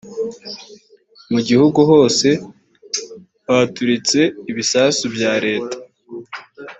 mu gihugu hose haturitse ibisasu bya leta